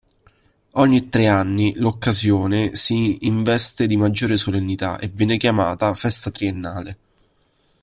Ogni tre anni l'occasione si investe di maggiore solennità e viene chiamata "Festa Triennale".